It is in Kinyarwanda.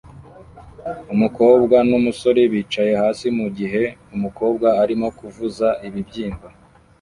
Umukobwa numusore bicaye hasi mugihe umukobwa arimo kuvuza ibibyimba